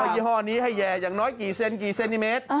ยี่ห้อนี้ให้แห่อย่างน้อยกี่เซนกี่เซนติเมตร